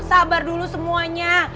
sabar dulu semuanya